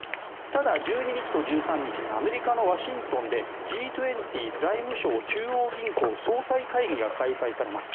ただ、１２日と１３日にアメリカのワシントンでＧ２０＝財務相・中央銀行総裁会議が開催されます。